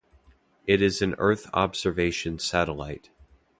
It is an Earth Observation Satellite.